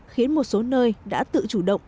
khiến một số nơi đã tự chủ động